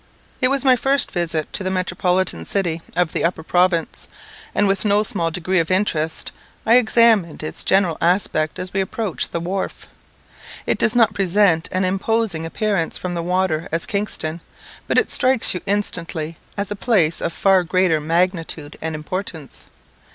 It was my first visit to the metropolitan city of the upper province, and with no small degree of interest I examined its general aspect as we approached the wharf. It does not present such an imposing appearance from the water as Kingston, but it strikes you instantly as a place of far greater magnitude and importance.